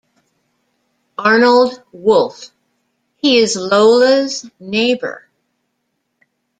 Arnold Wolf: He is Lola's neighbour.